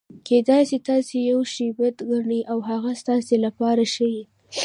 کېدای سي تاسي یوشي بد ګڼى او هغه ستاسي له پاره ښه يي.